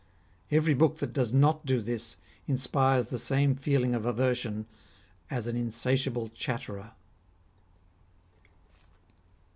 Every book that does not do this inspires the same feeling of aversion as an insatiable chatterer."